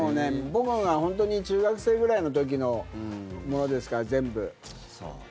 僕が、本当に中学生ぐらいの時のものですから全部。